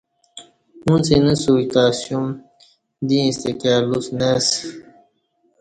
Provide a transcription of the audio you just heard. اݩڅ اینہ سوچ تہ اسیُوم دی ییݩستہ کائ لُوس نہ اسہ